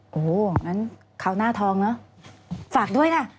โอ้โหงั้นคราวหน้าทองเนอะฝากด้วยนะ